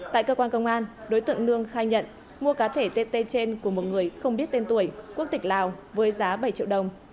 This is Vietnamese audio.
tại cơ quan công an đối tượng nương khai nhận mua cá thể tt trên của một người không biết tên tuổi quốc tịch lào với giá bảy triệu đồng